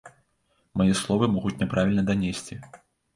Мае словы могуць няправільна данесці.